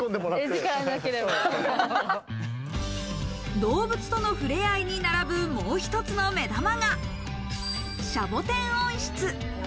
動物との触れ合いに並ぶ、もう一つの目玉がシャボテン温室。